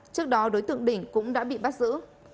trước đó đối tượng đỉnh cũng đã bị bắt giữ